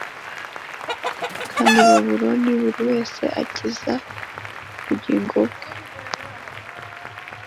Kandi babuloni b uri wese akize ubugingo bwe